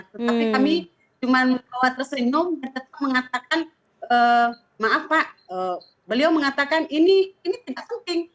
tetapi kami cuma tersenyum dan tetap mengatakan maaf pak beliau mengatakan ini tidak penting